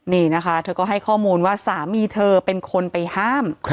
นี่นะคะเธอก็ให้ข้อมูลว่าสามีเธอเป็นคนไปห้าม